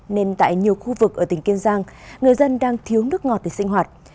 nên tại nhiều khu vực ở tỉnh kiên giang người dân đang thiếu nước ngọt để sinh hoạt